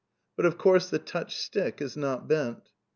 But of course the touched stick is not bent.